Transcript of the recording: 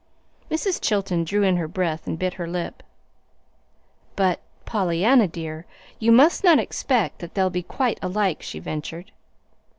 Mrs. Chilton drew in her breath and bit her lip. "But, Pollyanna, dear, you must not expect that they'll be quite alike," she ventured.